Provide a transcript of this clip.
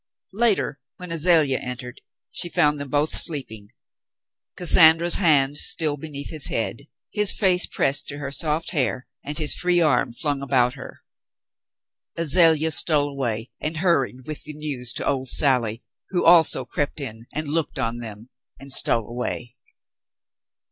Later, when Azalea entered, she found them both sleeping, Cassandra's hand still beneath his head, his face pressed to her soft hair and his free arm flung about her. Azalea stole away and hurried with the news to old Sally, who also crept in and looked on them and stole away.